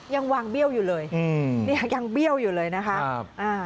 ยังวางเบี้ยวอยู่เลยยังเบี้ยวอยู่เลยนะคะ